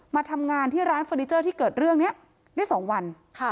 มาทำงานที่ร้านเฟอร์นิเจอร์ที่เกิดเรื่องนี้ได้๒วัน